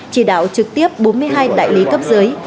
chỉ đạo trực tiếp bốn mươi hai đại lý cấp dưới